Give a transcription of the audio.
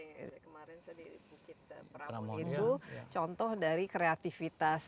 kemarin saya di bukit peramun itu contoh dari kreativitas